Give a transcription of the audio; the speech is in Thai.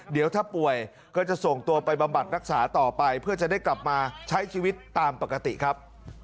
เดี๋ยวถ้าป่วยก็จะส่งตัวไปบำบัดรักษาต่อไปเพื่อจะได้กลับมาใช้ชีวิตตามปกติครับ